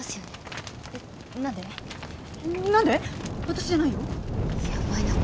私じゃないよ。